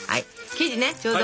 生地ねちょうど。